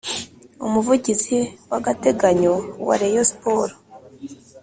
umuvugizi w’agateganyo wa rayon sport